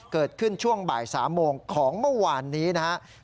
เกิดขึ้นช่วงบ่าย๓โมงของเมื่อวานนี้นะครับ